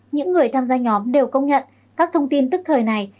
những người tham gia nhóm đều công nhận các thông tin tức thời này